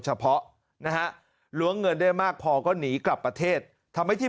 เฉพาะนะฮะล้วงเงินได้มากพอก็หนีกลับประเทศทำให้ที่